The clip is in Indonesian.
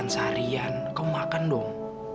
sarihan kamu makan dong